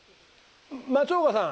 松岡さん